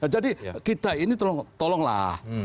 jadi kita ini tolonglah